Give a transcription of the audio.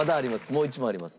もう一問あります。